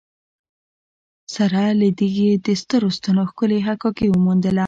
سره له دې یې د سترو ستنو ښکلې حکاکي وموندله.